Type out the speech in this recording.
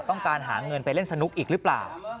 ต้องการหาเงินไปเล่นสนุกอีกหรือเปล่า